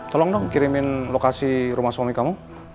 tolong dong kirimin lokasi rumah suami kamu